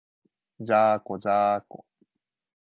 ざーこ、ざーこ